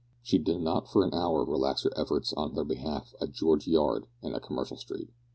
She did not for an hour relax her efforts in their behalf at George Yard and at Commercial Street.